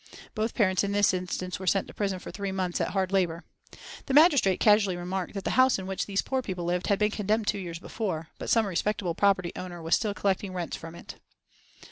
Both parents in this instance were sent to prison for three months at hard labour. The magistrate casually remarked that the house in which these poor people lived had been condemned two years before, but some respectable property owner was still collecting rents from it.